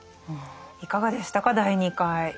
いかがでしたか第２回。